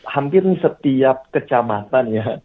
hampir setiap kecamatan ya